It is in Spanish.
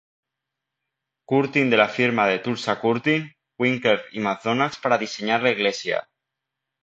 Curtin de la firma de Tulsa Curtin, Winkler y Macdonald para diseñar la iglesia.